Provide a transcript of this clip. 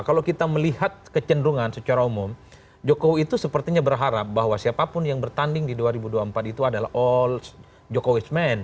kalau kita melihat kecenderungan secara umum jokowi itu sepertinya berharap bahwa siapapun yang bertanding di dua ribu dua puluh empat itu adalah all jokowis men